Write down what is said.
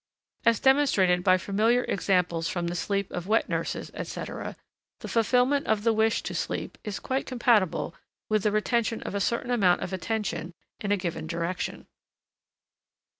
As demonstrated by familiar examples from the sleep of wet nurses, &c., the fulfillment of the wish to sleep is quite compatible with the retention of a certain amount of attention in a given direction.